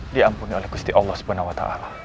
diampuni oleh gusti allah swt